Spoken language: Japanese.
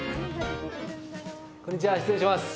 こんにちは失礼します。